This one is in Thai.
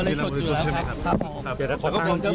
เราเหยียดงันความฮิตสุด